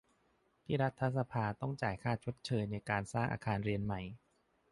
ที่รัฐสภาต้องจ่ายค่าชดเชยในการสร้างอาคารเรียนใหม่